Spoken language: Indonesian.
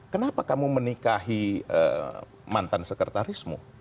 kenapa kamu menikahi mantan sekretarismu